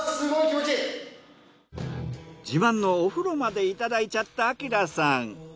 自慢のお風呂までいただいちゃったアキラさん。